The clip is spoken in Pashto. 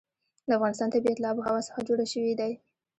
د افغانستان طبیعت له آب وهوا څخه جوړ شوی دی.